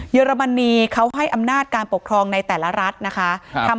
อรมนีเขาให้อำนาจการปกครองในแต่ละรัฐนะคะ